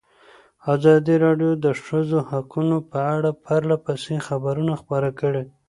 ازادي راډیو د د ښځو حقونه په اړه پرله پسې خبرونه خپاره کړي.